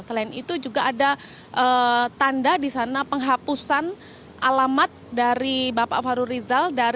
selain itu juga ada tanda di sana penghapusan alamat dari bapak fahru rizal